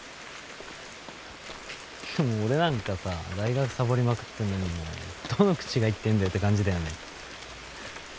でも俺なんかさ大学サボりまくってるのにどの口が言ってんだよって感じだよね。